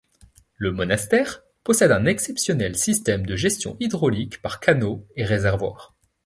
Le monastère possède un exceptionnel système de gestion hydraulique par canaux et réservoirs.